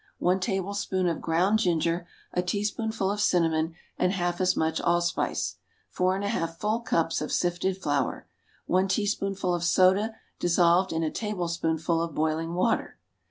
One tablespoonful of ground ginger, a teaspoonful of cinnamon, and half as much allspice. Four and a half full cups of sifted flour. One teaspoonful of soda dissolved in a tablespoonful of boiling water.